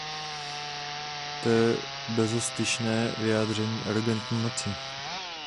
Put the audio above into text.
To je bezostyšné vyjádření arogantní moci!